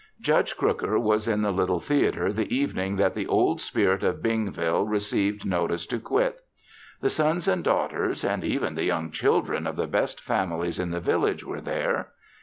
Judge Crooker was in the little theater the evening that the Old Spirit of Bingville received notice to quit. The sons and daughters and even the young children of the best families in the village were there.